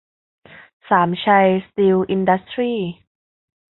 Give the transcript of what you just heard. สามชัย สตีล อินดัสทรี